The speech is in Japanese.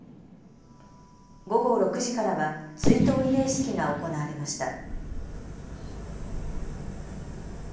午後６時からは追悼慰霊式が行われました。